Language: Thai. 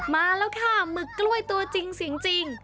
มาแล้วค่ะหมึกกล้วยตัวจริงจริง